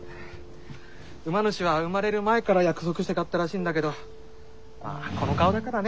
馬主は生まれる前から約束して買ったらしいんだけどまあこの顔だからね。